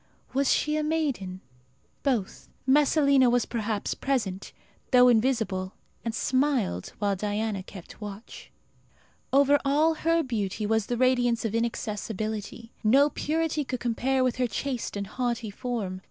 Was she a maiden? Both. Messalina was perhaps present, though invisible, and smiled, while Diana kept watch. Over all her beauty was the radiance of inaccessibility. No purity could compare with her chaste and haughty form.